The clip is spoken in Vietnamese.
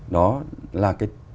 đó là cái